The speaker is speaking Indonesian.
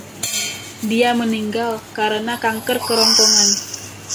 Dia meninggal karena kanker kerongkongan.